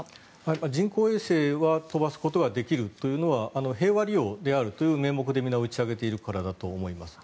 人工衛星は飛ばすことができるというのは平和利用であるという名目でみんな打ち上げているからだと思います。